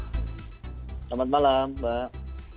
selamat malam mbak